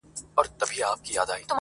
یو او بل ســـره بـــــه کیناســتل غـواړي